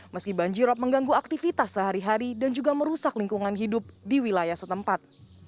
meski banjirop mengganggu aktivitas sehari hari dan juga merusak lingkungan hidup di wilayah setempat